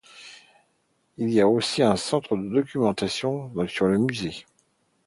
Il y a aussi un centre de documentation sur le musée.